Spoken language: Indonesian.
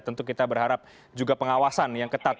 tentu kita berharap juga pengawasan yang ketat